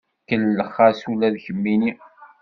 Kellex-as ula d kemmini.